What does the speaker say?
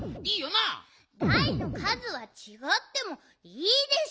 だいのかずはちがってもいいでしょ。